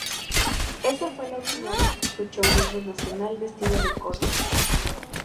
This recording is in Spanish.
Esa fue la última vez que escuchó un himno nacional vestido de corto.